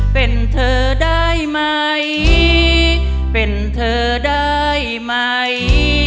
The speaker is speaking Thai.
เป็นเธอได้ไหมเป็นเธอได้ไหม